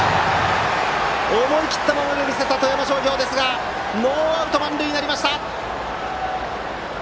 思い切った守りを見せた富山商業ですがノーアウト満塁になりました。